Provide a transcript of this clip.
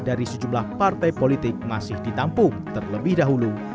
dari sejumlah partai politik masih ditampung terlebih dahulu